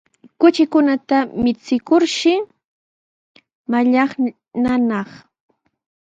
Kuchikunata michikurshi mallaqnanaq.